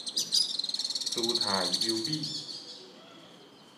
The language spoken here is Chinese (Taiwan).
姿態優美